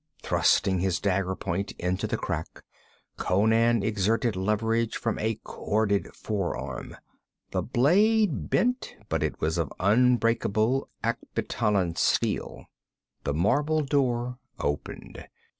Thrusting his dagger point into the crack, Conan exerted leverage with a corded forearm. The blade bent, but it was of unbreakable Akbitanan steel. The marble door opened.